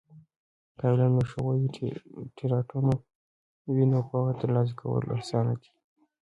که علم له ښوونه ټیټرانو وي، نو پوهه ترلاسه کول آسانه دی.